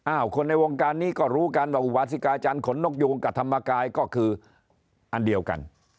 คนในวงการนี้ก็รู้กันว่าอุวาสิกาอาจารย์ขนนกยูงกับธรรมกายก็คืออันเดียวกัน